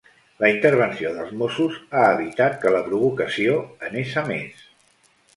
La intervenció dels mossos ha evitat que la provocació anés a més.